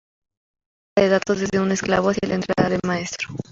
Salida de datos desde un esclavo hacia la entrada del maestro.